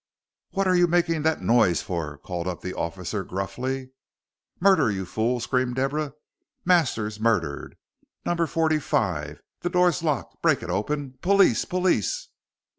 "What are you making that noise for?" called up the officer, gruffly. "Murder, you fool!" screamed Deborah. "Master's murdered. Number forty five the door's locked break it open. Police! police!"